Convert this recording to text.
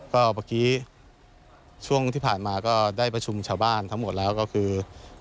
ก็เมื่อกี้ช่วงที่ผ่านมาก็ได้ประชุมชาวบ้านทั้งหมดแล้วก็คือ